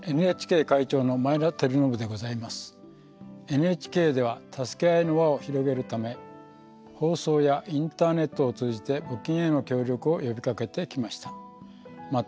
ＮＨＫではたすけあいの輪を広げるため放送やインターネットを通じて募金への協力を呼びかけてきました。